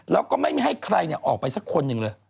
แล้วก็ไม่ให้ใครออกไปสักคนหนึ่งเลย